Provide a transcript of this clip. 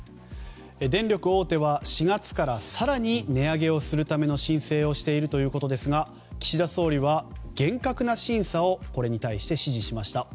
電力大手は４月から更に値上げをするための申請をしているということですが岸田総理は厳格な審査をこれに対して指示しました。